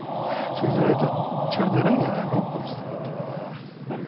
そうしないと力が出ないんじゃないの。